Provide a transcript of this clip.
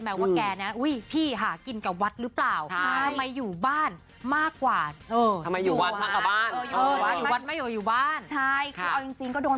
เป็นวัดเหรออ่อหลายคนก็เม้ามอยกันไปใช่ไหม